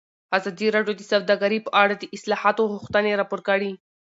ازادي راډیو د سوداګري په اړه د اصلاحاتو غوښتنې راپور کړې.